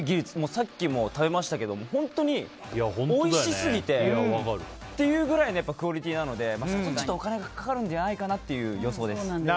さっきも食べましたけど本当においしすぎてっていうくらいのクオリティーなのでちょっとお金がかかるんじゃないのかなという予想です。